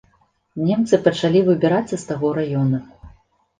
Немцы пачалі выбірацца з таго раёна.